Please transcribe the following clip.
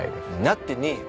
なってねえよ！